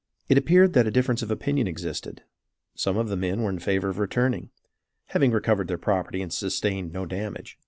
It appeared that a difference of opinion existed; some of the men were in favor of returning, having recovered their property and sustained no damage.